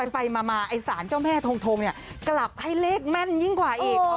ไปมาไอ้สารเจ้าแม่ทงเนี่ยกลับให้เลขแม่นยิ่งกว่าอีก